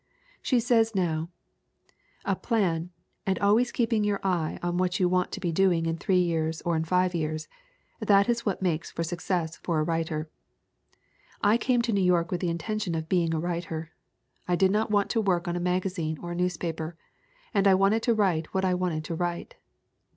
She says now: "A plan, and always keeping your eye on what you want to be doing in three years or in five years that is what makes for success for a writer. "I came to New York with the intention of being a writer. I did not want to work on a magazine or a newspaper. And I wanted to write what I wanted to write.